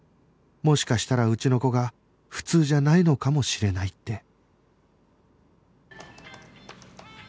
もしかしたらうちの子が普通じゃないのかもしれないって